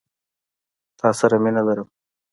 تا سره مينه لرم.